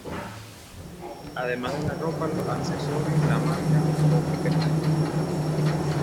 Además de la ropa y los accesorios, la marca opera el hotel Palazzo Versace.